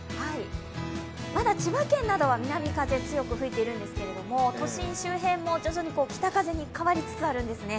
まだ千葉県などは南風が強く吹いているんですけど、都心周辺も徐々に北風に変わりつつあるんですね。